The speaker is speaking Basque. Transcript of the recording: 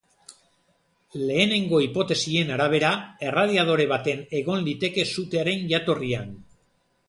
Lehenengo hipotesien arabera, erradiadore baten egon liteke sutearen jatorrian.